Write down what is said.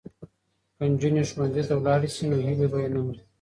که نجونې ښوونځي ته لاړې شي نو هیلې به یې نه مري.